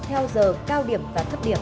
theo giờ cao điểm và thấp điểm